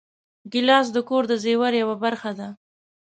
ګیلاس د کور د زېور یوه برخه ده.